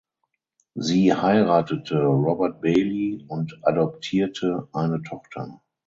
Sie heiratete Robert Bailey und adoptierte eine Tochter.